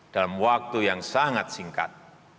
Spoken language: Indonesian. dalam waktu yang sangat singkat